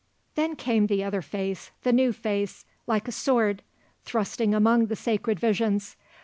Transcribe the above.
Then came the other face, the new face; like a sword; thrusting among the sacred visions.